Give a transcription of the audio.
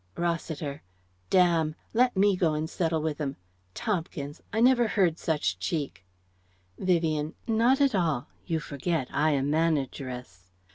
Rossiter: "Damn! Let me go and settle with 'em. Tompkins! I never heard such cheek " Vivien: "Not at all. You forget I am Manageress."